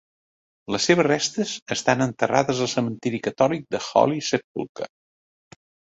Les seves restes estan enterrades al cementiri catòlic de Holy Sepulchre.